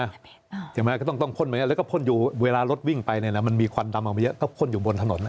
เดี๋ยวมากต้องห้นมาแล้วก็พ่ออยู่เวลารถวิ่งไปน่ะมันมีคนจำของเลยนะก็เพิ่มอยู่บนถนนนะ